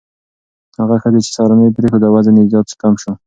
هغه ښځې چې سهارنۍ پرېښوده، وزن یې زیات کم شو.